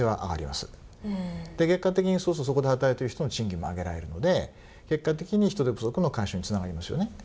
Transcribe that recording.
結果的にそうするとそこで働いてる人の賃金も上げられるので結果的に人手不足の解消につながりますよね。